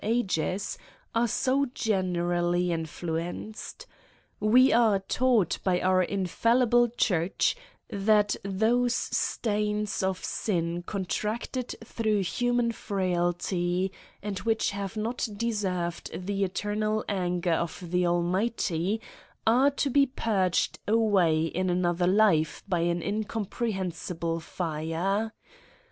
ages, are so generally influenced. We are taught by our infallible church, that those stains of sin con tracted through human frailty, and which have not deserved the eternal anger of the Almighty, arc to be purged away in another life by an in comprehensible fire.